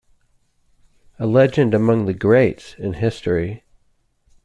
A legend among the greats in history.